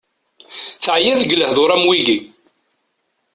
Teɛya deg lehdur am wigi.